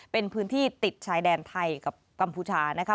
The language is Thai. เป็นพื้นที่ติดชายแดนไทยกับกัมพูชานะคะ